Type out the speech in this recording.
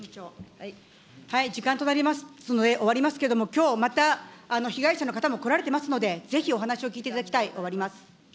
時間となりますので、終わりますけれども、きょうまた被害者の方も来られておりますので、ぜひお話を聞いていただきたい。